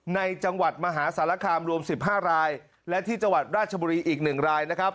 ในจังหวัดมหาสารคามรวม๑๕รายและที่จังหวัดราชบุรีอีก๑รายนะครับ